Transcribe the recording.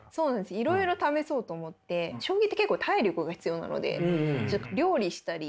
いろいろ試そうと思って将棋って結構体力が必要なので料理！